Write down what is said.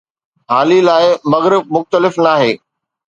هالي لاءِ، مغرب مختلف ناهي.